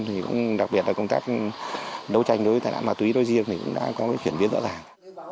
thì cũng đặc biệt là công tác đấu tranh đối với tài nạn bà túy đối riêng thì cũng đã có cái chuyển biến rõ ràng